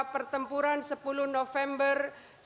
pertempuran sepuluh november